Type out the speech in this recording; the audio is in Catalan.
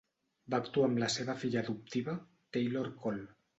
Va actuar amb la seva filla adoptiva, Taylor Cole.